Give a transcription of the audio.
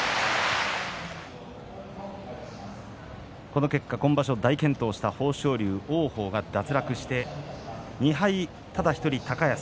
この結果、今場所大健闘した豊昇龍王鵬が脱落して２敗ただ１人高安。